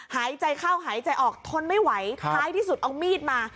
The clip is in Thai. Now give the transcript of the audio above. หายใจเข้าหายใจออกทนไม่ไหวท้ายที่สุดเอามีดมา